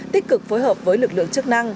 tích cực phối hợp với lực lượng chức năng